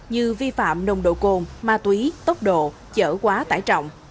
như vi phạm nồng độ cồn ma túy tốc độ chở quá tải trọng